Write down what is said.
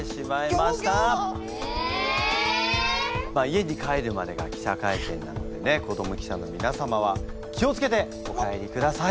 家に帰るまでが記者会見なのでね子ども記者のみなさまは気を付けてお帰りください！